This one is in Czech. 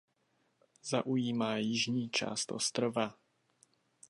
Zaujímá jižní část ostrova.